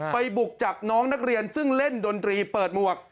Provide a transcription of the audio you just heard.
บุกจับน้องนักเรียนซึ่งเล่นดนตรีเปิดหมวก